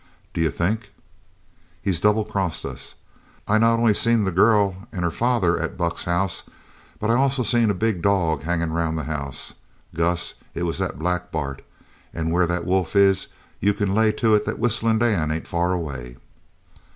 "D'you think " "He's double crossed us. I not only seen the girl an' her father at Buck's house, but I also seen a big dog hangin' around the house. Gus, it was Black Bart, an' where that wolf is you c'n lay to it that Whistlin' Dan ain't far away!"